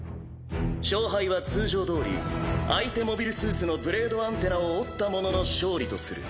勝敗は通常どおり相手モビルスーツのブレードアンテナを折った者の勝利とする。